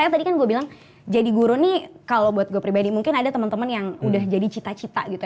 tadi kan gue bilang jadi guru nih kalau buat gue pribadi mungkin ada teman teman yang udah jadi cita cita gitu